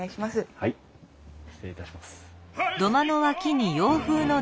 はい失礼いたします。